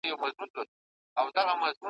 ته به اورې شرنګا شرنګ له هره لوري `